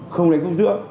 không đánh cục giữa